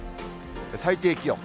最低気温。